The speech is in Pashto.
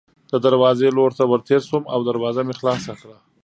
د دروازې لور ته ورتېر شوم او دروازه مې خلاصه کړه.